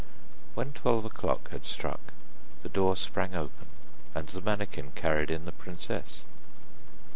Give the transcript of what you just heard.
When twelve o'clock had struck, the door sprang open, and the manikin carried in the princess.